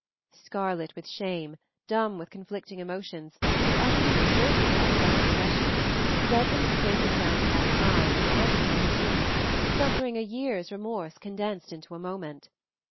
Scarlet with shame, dumb with conflicting emotions, and utterly deserted by self possession, Redmond stood with downcast eyes and agitated mien, suffering a year's remorse condensed into a moment.